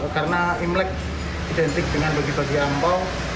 karena imlek identik dengan bagi bagi ampau